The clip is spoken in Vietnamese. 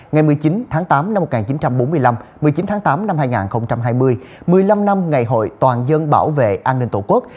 ngày một mươi chín tháng tám năm một nghìn chín trăm bốn mươi năm một mươi chín tháng tám năm hai nghìn hai mươi một mươi năm năm ngày hội toàn dân bảo vệ an ninh tổ quốc